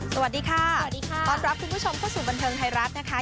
สวัสดีค่ะสวัสดีค่ะต้อนรับคุณผู้ชมเข้าสู่บันเทิงไทยรัฐนะคะ